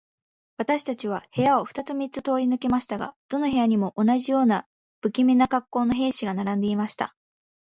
私たちは部屋を二つ三つ通り抜けましたが、どの部屋にも、同じような無気味な恰好の兵士が並んでいました。